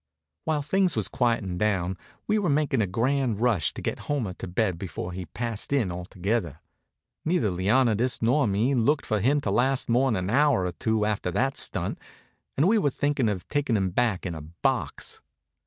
While things was quietin' down we were making a grand rush to get Homer into bed before he passed in altogether. Neither Leonidas nor me looked for him to last more'n an hour or two after that stunt, and we were thinkin' of taking him back in a box.